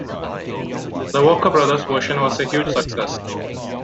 The Walker Brothers version was a huge success.